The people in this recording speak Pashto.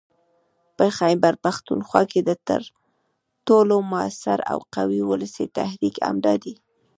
په خيبرپښتونخوا کې تر ټولو موثر او قوي ولسي تحريک همدا دی